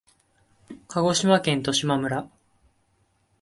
鹿児島県十島村